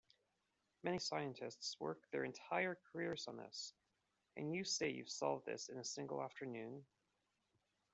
Many scientists work their entire careers on this, and you say you have solved this in a single afternoon?